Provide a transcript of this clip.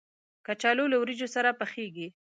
کچالو له وریجو سره پخېږي